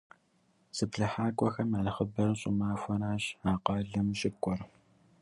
Зыплъыхьакӏуэхэм я нэхъыбэр щӀымахуэращ а къалэм щыкӀуэр.